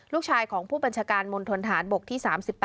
ลูกชายของผู้บัญชาการมณฑนฐานบกที่๓๘